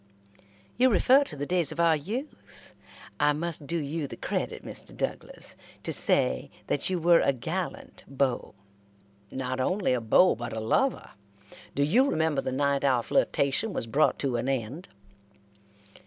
"You refer to the days of our youth. I must do you the credit, Mr. Douglas, to say, that you were a gallant beau." "Not only a beau, but a lover. Do you remember the night our flirtation was brought to an end?"